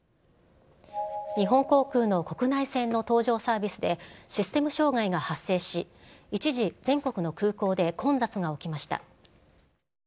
日本航空の国内線の搭乗サービスで、システム障害が発生し、一時、全国の空港で混雑が起きました。